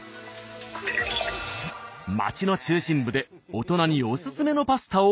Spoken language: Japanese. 街の中心部で大人におすすめのパスタを聞き込むことに。